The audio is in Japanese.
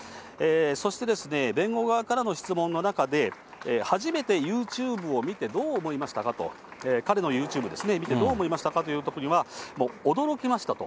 そしてですね、弁護側からの質問の中で、初めてユーチューブを見て、どう思いましたかと、彼のユーチューブですね、見て、どう思いましたか？という問いには、驚きましたと。